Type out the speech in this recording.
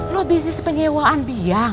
lu bisnis penyewaan biang